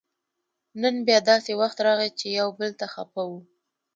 نن بیا داسې وخت راغی چې یو بل ته خپه وو